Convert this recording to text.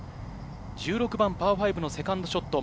１６番、パー５のセカンドショット。